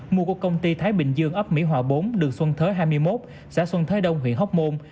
mua của công ty thái bình dương ấp mỹ hòa bốn đường xuân thới hai mươi một xã xuân thới đông huyện hóc môn